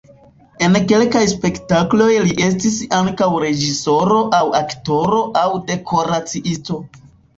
En kelkaj spektakloj li estis ankaŭ reĝisoro aŭ aktoro aŭ dekoraciisto.